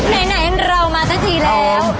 ไหนเรามาสักทีแล้ว